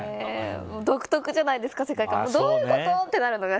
独特じゃないですか、世界観が。